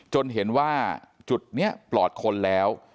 จนเห็นว่าจุดนี้ปลอดคนแล้ว